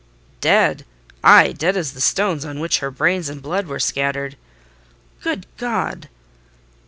"Dead! Ay, dead as the stones on which her brains and blood were scattered." "Good God!"